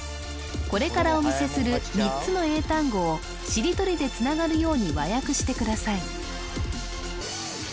これからお見せする３つの英単語をしりとりで繋がるように和訳してください